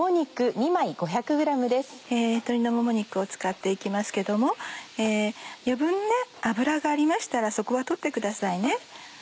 鶏のもも肉を使って行きますけども余分な脂がありましたらそこは取ってくださいね。